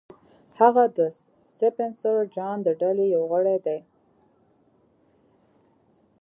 هغه د سپنسر جان د ډلې یو غړی دی